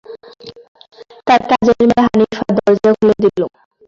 তাঁর কাজের মেয়ে হানিফা দরজা খুলে দিল।